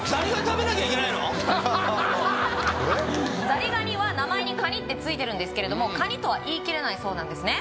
ザリガニは名前にカニってついているんですけれどもカニとは言い切れないそうなんですね